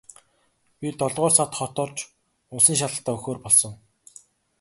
Би долоодугаар сард хот орж улсын шалгалтаа өгөхөөр болсон.